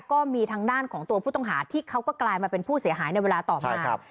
ก็มีทางด้านของตัวผู้ต้องหาที่เขาก็กลายมาเป็นผู้เสียหายในเวลาต่อมา